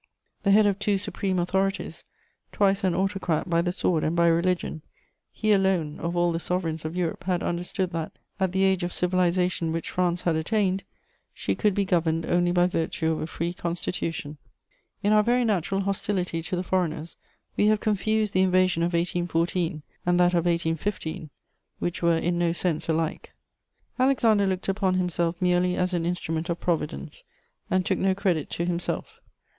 The head of two supreme authorities, twice an autocrat by the sword and by religion, he alone, of all the sovereigns of Europe, had understood that, at the age of civilization which France had attained, she could be governed only by virtue of a free constitution. In our very natural hostility to the foreigners, we have confused the invasion of 1814 and that of 1815, which were in no sense alike. [Sidenote: The Emperor Alexander.] Alexander looked upon himself merely as an instrument of Providence, and took no credit to himself.